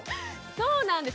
そうなんです。